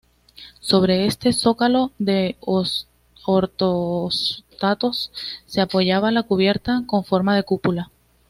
Sobre este zócalo de ortostatos se apoyaba la cubierta, con forma de cúpula.